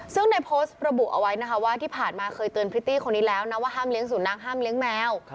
ซึ่งในโพสต์ระบุเอาไว้นะคะว่าที่ผ่านมาเคยเตือนพริตตี้คนนี้แล้วนะว่าห้ามเลี้ยสุนัขห้ามเลี้ยงแมว